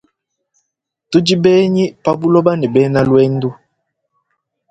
Tudi benyi pa buloba ne bena luendu.